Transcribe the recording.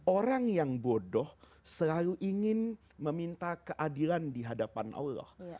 orang yang bodoh selalu ingin meminta keadilan di hadapan allah